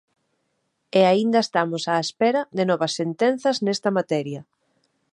E aínda estamos á espera de novas sentenzas nesta materia.